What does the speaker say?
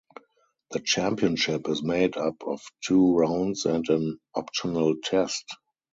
The championship is made up of two rounds and an optional test.